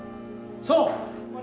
そう。